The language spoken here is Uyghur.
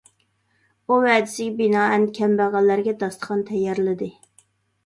ئۇ ۋەدىسىگە بىنائەن كەمبەغەللەرگە داستىخان تەييارلىدى.